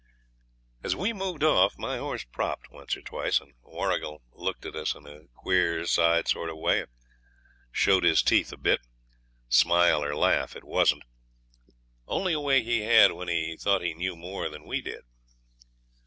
As we moved off my horse propped once or twice, and Warrigal looked at us in a queer side sort of way and showed his teeth a bit smile nor laugh it wasn't, only a way he had when he thought he knew more than we did.